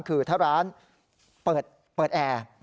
คือถ้าร้านเปิดแอร์